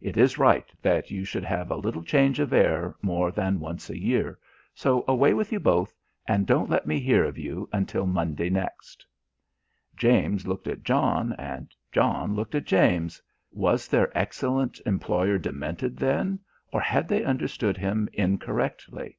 It is right that you should have a little change of air more than once a year, so away with you both, and don't let me hear of you until Monday next." James looked at John and John looked at James. Was their excellent employer demented, then, or had they understood him incorrectly?